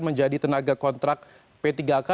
menjadi tenaga kontrak p tiga k